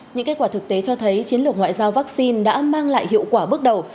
những kết quả thực tế cho thấy chiến lược ngoại giao vaccine đã mang lại hiệu quả bước đầu